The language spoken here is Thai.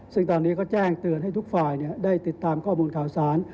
ซึ่งตอนนี้ก็แจ้งเตือนให้ทุกฝ่ายได้ติดตามข้อมูลข่าวสาร